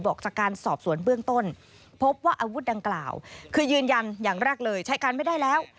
บอกจากการสอบสวนเบื้องต้นพบว่าอาวุธดังกล่าวคือยืนยันอย่างแรกเลยใช้การไม่ได้แล้ว